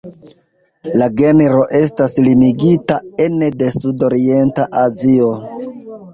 La genro estas limigita ene de Sudorienta Azio.